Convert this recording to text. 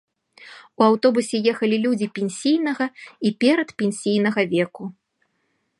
У аўтобусе ехалі людзі пенсійнага і перадпенсійнага веку.